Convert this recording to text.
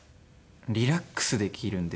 リラックスできるんですよ。